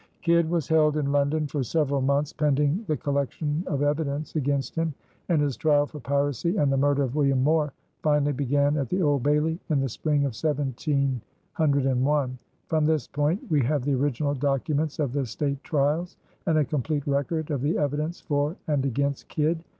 Kidd was held in London for several months pending the collection of evidence against him, and his trial for piracy and the murder of William Moore finally began at the Old Bailey in the spring of 1701. From this point we have the original documents of the state trials and a complete record of the evidence for and against Kidd.